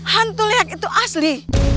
hantu lehak itu asli